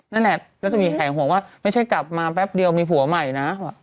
นั่นแหละรัศมีแห่งห่วงว่าไม่ใช่กลับมาแป๊บเดียวมีผัวใหม่นะ